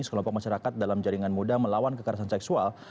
sekelompok masyarakat dalam jaringan muda melawan kekerasan seksual